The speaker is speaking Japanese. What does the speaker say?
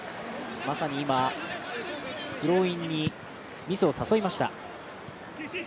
まさに今、スローインにミスを誘いました。